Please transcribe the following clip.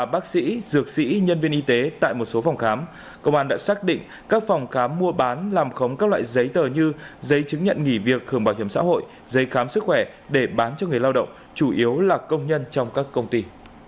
bác sĩ dược sĩ nhân viên y tế tại một số phòng khám công an đã xác định các phòng khám mua bán làm khống các loại giấy tờ như giấy chứng nhận nghỉ việc hưởng bảo hiểm xã hội giấy khám sức khỏe để bán cho người lao động chủ yếu là công nhân trong các công ty